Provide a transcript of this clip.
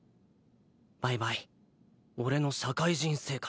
バイバイ俺の社会人生活。